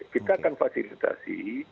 kita akan fasilitasi